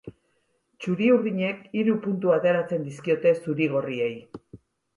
Txuri-urdinek hiru puntu ateratzen dizkiote zuri-gorriei.